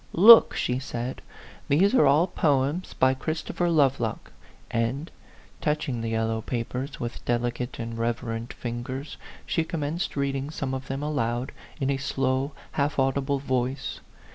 " Look !" she said, " these are all poems by Christopher Lovelock;" and, touching the yellow papers with delicate and reverent fin gers, she commenced reading some of them aloud in a slow, half audible voice.